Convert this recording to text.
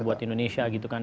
buat indonesia gitu kan